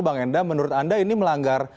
bang enda menurut anda ini melanggar